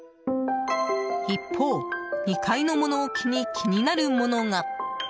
一方、２階の物置に気になるものが。